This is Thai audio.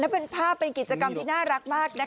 เป็นภาพเป็นกิจกรรมที่น่ารักมากนะคะ